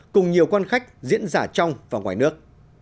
cùng nhiều quan khách diễn giả trong và ngoài nước